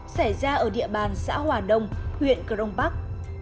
xảy ra ở địa bàn xã hòa đông huyện cờ rông bắc